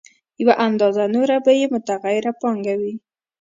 یوه اندازه نوره به یې متغیره پانګه وي